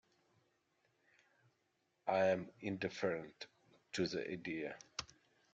I am indifferent to the idea.